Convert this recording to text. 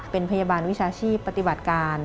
เป็นพยาบาลวิชาชีพปฏิบัติการ